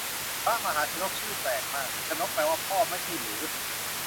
พระมหาชนก ชื่อแปลกมาก ชนกแปลว่าพ่อไม่ใช่หรือ